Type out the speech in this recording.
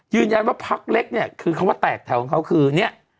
ยืนยันว่าพักเล็กเนี่ยคือเขาว่าแตกแถวของเขาคือเนี่ย